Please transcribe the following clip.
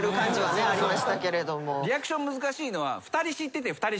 リアクション難しいのは。